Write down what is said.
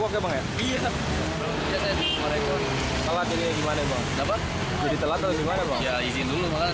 ketika banjir terjadi penyelamatan tersebut akan berlaku